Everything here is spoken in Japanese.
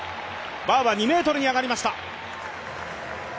バーは２ｍに上がりました。